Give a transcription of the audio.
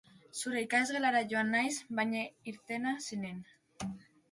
Zure ikasgelara joan naiz, baina irtena zinen.